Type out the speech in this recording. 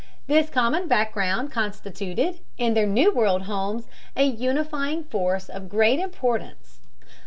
This common background constituted, in their New World homes, a unifying force of great importance.